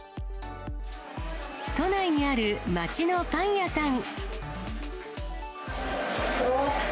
都内にある街のパン屋さん。